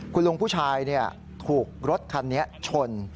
คุณลุงผู้ชายถูกรถคันนี้ชน